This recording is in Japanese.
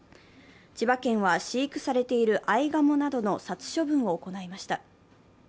千葉県は飼育されているあいがもなどの殺処分を行いました。